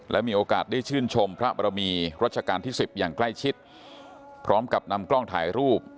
และมีโอกาสได้ชื่นชมพระบรมีรัชกาลที่สิบอย่างใกล้ชิดพร้อมกับนำกล้องถ่ายรูป